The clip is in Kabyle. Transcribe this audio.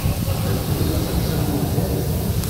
Ad tebdu taḍsa n wuglan.